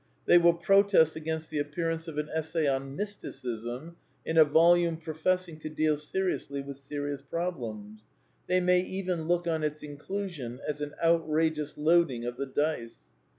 They will protest against the appearance of an essay on " Mysticism " in a volume professing to deal seriously with serious problems. They may even look on its inclusion as an outrageous loading of the dice.